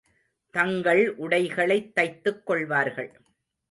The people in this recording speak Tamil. தங்கள் உடைகளைத் தைத்துக் கொள்வார்கள்.